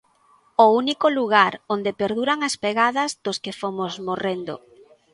O único lugar onde perduran as pegadas dos que fomos morrendo.